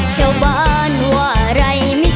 เช่าบ้านว่าอะไรมิกัน